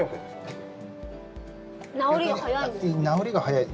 治りが早い。